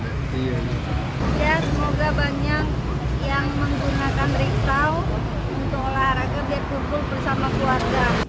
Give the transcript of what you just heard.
semoga banyak yang menggunakan riksa untuk olahraga biar kumpul bersama keluarga